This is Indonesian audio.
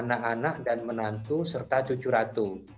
anak anak dan menantu serta cucu ratu